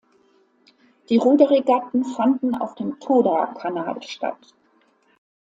Die Ruder-Regatten fanden auf dem Toda-Kanal statt.